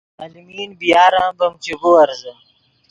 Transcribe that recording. المین بی یار ام ڤیم چے بیورزے